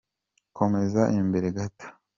komeza imbere gato.